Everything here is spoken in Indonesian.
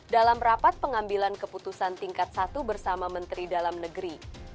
dalam rapat pengambilan keputusan tingkat satu bersama menteri dalam negeri